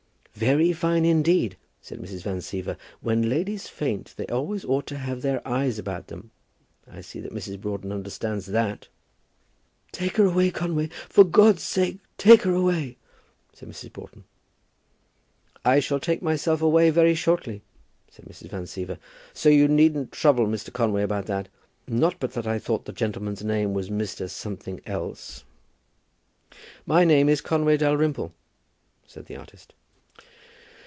"Very fine indeed," said Mrs. Van Siever. "When ladies faint they always ought to have their eyes about them. I see that Mrs. Broughton understands that." "Take her away, Conway for God's sake take her away," said Mrs. Broughton. "I shall take myself away very shortly," said Mrs. Van Siever, "so you needn't trouble Mr. Conway about that. Not but what I thought the gentleman's name was Mr. something else." "My name is Conway Dalrymple," said the artist.